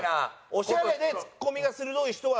オシャレでツッコミが鋭い人は。